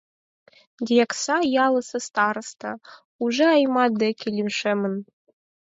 Дьякса, ялысе староста, уже Аймат деке лишемын.